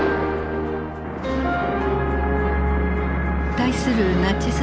対するナチス